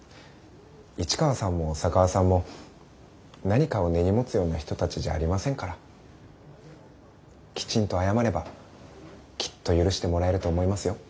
市川さんも小佐川さんも何かを根に持つような人たちじゃありませんからきちんと謝ればきっと許してもらえると思いますよ。